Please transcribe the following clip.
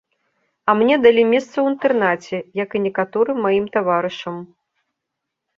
А мне далі месца ў інтэрнаце, як і некаторым маім таварышам.